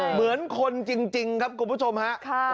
เหมือนคนจริงครับคุณผู้ชมฮะ